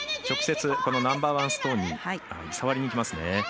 直接ナンバーワンストーンに触りにいきますね。